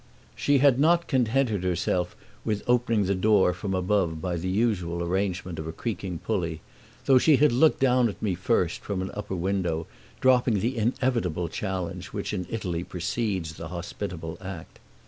She had not contented herself with opening the door from above by the usual arrangement of a creaking pulley, though she had looked down at me first from an upper window, dropping the inevitable challenge which in Italy precedes the hospitable act.